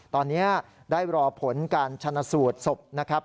ตอนนี้ได้รอผลการชนะสูตรศพนะครับ